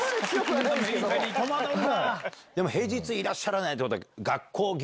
平日いらっしゃらないってことは。